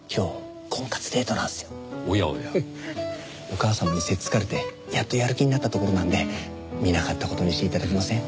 お母様にせっつかれてやっとやる気になったところなんで見なかった事にして頂けません？